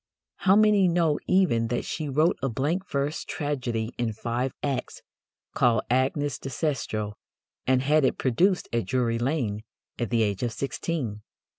How many know even that she wrote a blank verse tragedy in five acts, called Agnes de Cestro, and had it produced at Drury Lane at the age of sixteen?